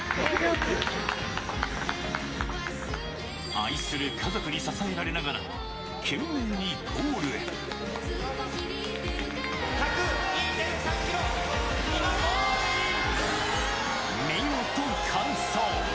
愛する家族に支えられながら、１０２．３キロ、今ゴールイ見事完走。